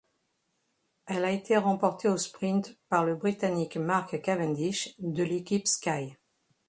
Elle a été remportée au sprint par le Britannique Mark Cavendish, de l'équipe Sky.